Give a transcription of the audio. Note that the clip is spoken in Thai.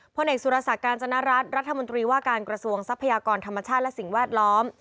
เอกสุรศักดิ์การจนรัฐรัฐมนตรีว่าการกระทรวงทรัพยากรธรรมชาติและสิ่งแวดล้อม